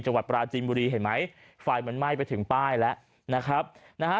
จังหวัดปราจีนบุรีเห็นไหมไฟมันไหม้ไปถึงป้ายแล้วนะครับนะฮะ